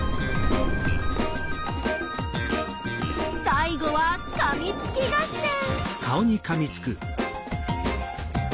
最後はかみつき合戦。